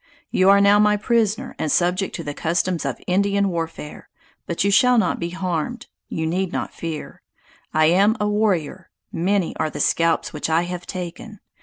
You are now my prisoner, and subject to the customs of Indian warfare: but you shall not be harmed; you need not fear. I am a warrior! Many are the scalps which I have taken!